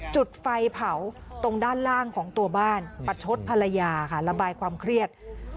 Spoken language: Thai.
จุดไฟเผาตรงด้านล่างของตัวบ้านประชดภรรยาค่ะระบายความเครียด